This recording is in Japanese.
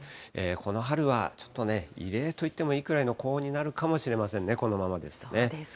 この春はちょっとね、異例といってもいいくらいの高温になるかもしれませんね、このままですとね。